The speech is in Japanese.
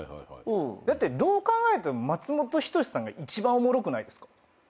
だってどう考えても松本人志さんが一番おもろくないですか？